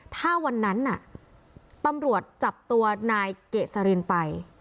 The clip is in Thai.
ถ้าวันนั้นน่ะตำรวจจับตัวนายเกษรินไป